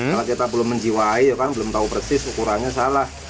kalau kita belum menjiwai belum tahu persis ukurannya salah